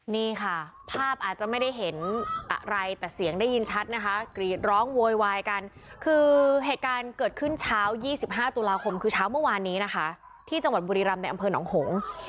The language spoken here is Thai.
นี่ค่ะภาพอาจจะไม่ได้เห็นอะไรแต่เสียงได้ยินชัดนะคะกรีดร้องโวยวายกันคือเหตุการณ์เกิดขึ้นเช้า๒๕ตุลาคมคือเช้าเมื่อวานนี้นะคะที่จังหวัดบุรีรำในอำเภอหนองหง